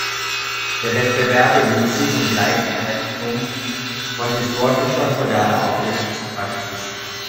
Der Wettbewerb bemüht sich um Gleichberechtigung von historischer und moderner Aufführungspraxis.